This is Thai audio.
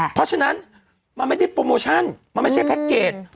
เพราะฉะนั้นมันไม่ได้โปรโมชั่นมันไม่ใช่แพ็คเกจ